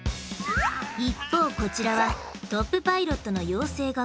一方こちらはトップ☆パイロットの養成学校。